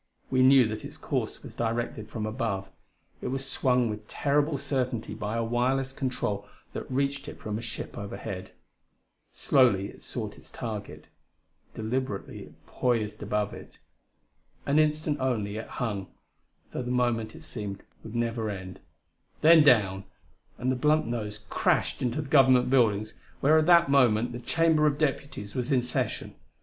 We knew that its course was directed from above; it was swung with terrible certainty by a wireless control that reached it from a ship overhead. Slowly it sought its target: deliberately it poised above it. An instant, only, it hung, though the moment, it seemed, would never end then down! and the blunt nose crashed into the Government buildings where at that moment the Chamber of Deputies was in session